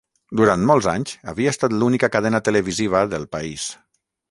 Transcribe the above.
Durant molts anys, havia estat l'única cadena televisiva del país.